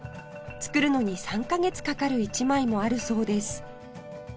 作るのに３カ月かかる１枚もあるそうです